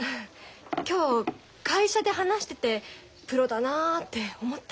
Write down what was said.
今日会社で話しててプロだなって思った。